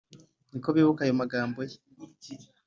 Nuko bibuka ayo magambo ye